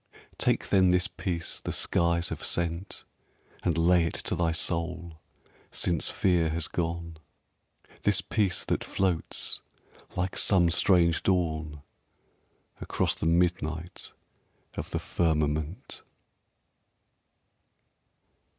Take then this peace the skies have sent, And lay it to thy soul, since fear has gone, This peace that floats, like some strange dawn, Across the midnight of the firmament.